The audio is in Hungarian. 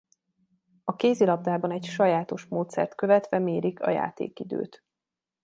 A kézilabdában egy sajátos módszert követve mérik a játékidőt.